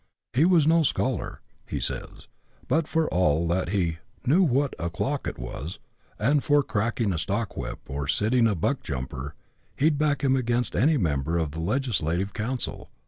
He was " no scholar," he says, but for all that he " knew what o'clock it was," and for cracking a stockwhip, or sitting a buckjumper, he'd back him against any member of the legislative council.